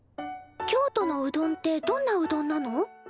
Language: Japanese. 京都のうどんってどんなうどんなの？